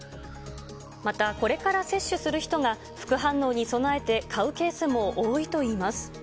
また、これから接種する人が副反応に備えて買うケースも多いといいます。